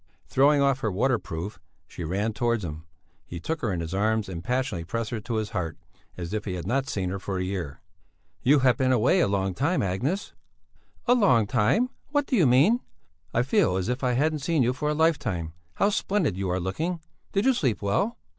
Throwing off her water proof, she ran towards him; he took her in his arms and passionately pressed her to his heart, as if he had not seen her for a year. "You've been away a long time, Agnes!" "A long time? What do you mean?" "I feel as if I hadn't seen you for a life time. How splendid you are looking! Did you sleep well?"